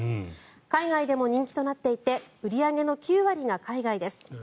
海外でも人気となっていて売り上げの９割が海外です。